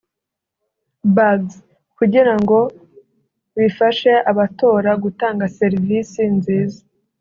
Bags) kugira ngo bifashe abatora gutanga serivisi nziza